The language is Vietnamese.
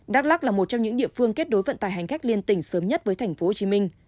đắk lắc là một trong những địa phương kết nối vận tải hành khách liên tình sớm nhất với tp hcm